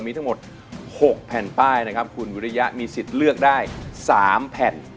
มีทั้งหมด๖แผ่นป้ายนะครับคุณวิริยะมีสิทธิ์เลือกได้๓แผ่น